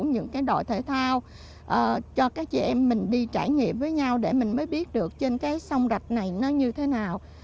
những cái đội thể thao cho các chị em mình đi trải nghiệm với nhau để mình mới biết được trên cái sông rạch này nó như thế nào